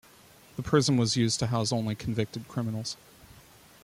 The prison was used to house only convicted criminals.